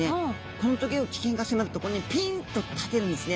このトゲを危険が迫るとここにピンと立てるんですね。